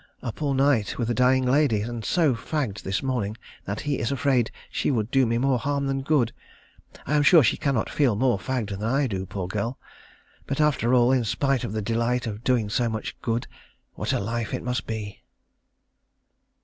Up all night with a dying lady, and so fagged this morning that he is afraid she would do me more harm than good. I am sure she cannot feel more fagged than I do, poor girl. But, after all, in spite of the delight of doing so much good, what a life it must be!